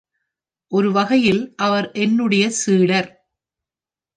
ஒரு வகையில் அவர் என்னுடைய சீடர்.